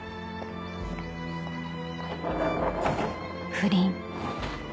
［不倫。